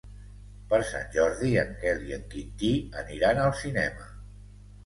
Per Sant Jordi en Quel i en Quintí aniran al cinema.